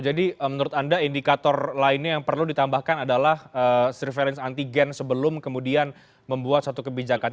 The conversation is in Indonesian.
jadi menurut anda indikator lainnya yang perlu ditambahkan adalah surveillance antigen sebelum kemudian membuat satu kebijakan